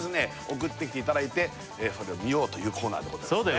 送ってきていただいてそれを見ようというコーナーでございますね